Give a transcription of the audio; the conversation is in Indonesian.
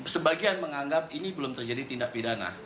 sebagian menganggap ini belum terjadi tindak pidana